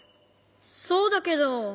そうだけど。